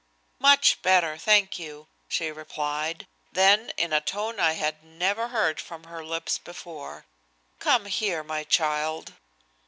"Much better, thank you," she replied. Then in a tone I had never heard from her lips before: "Come here, my child."